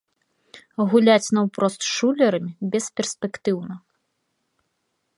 Гуляць наўпрост з шулерамі бесперспектыўна.